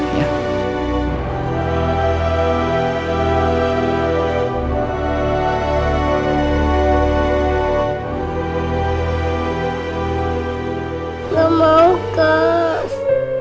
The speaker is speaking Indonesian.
nggak mau kak